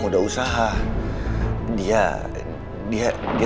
kalauk ta wifi